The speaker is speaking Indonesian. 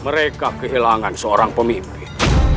mereka kehilangan seorang pemimpin